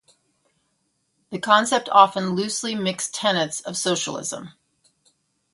The concept often loosely mixed tenets of socialism.